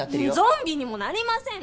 ゾンビにもなりません！